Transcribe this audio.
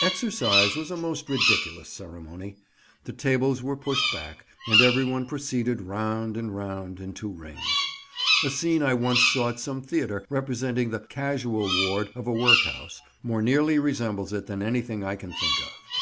Exercise was a most ridiculous ceremony; the tables were pushed back, and everyone proceeded round and round in two rings. A scene I once saw at some theatre, representing the "casual ward" of a workhouse, more nearly resembles it than anything I can think of.